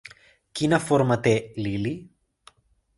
Quina forma té l'ili?